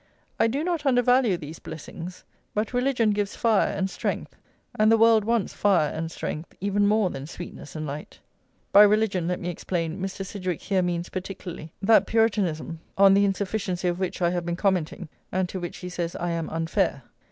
I do not undervalue these blessings, but religion gives fire and strength, and the world wants fire and strength even more than sweetness and light." By religion, let me explain, Mr. Sidgwick here means particularly that Puritanism on the insufficiency of which I have been commenting and to which he says I am unfair.